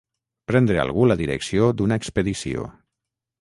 Prendre algú la direcció d'una expedició.